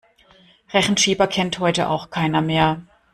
Rechenschieber kennt heute auch keiner mehr.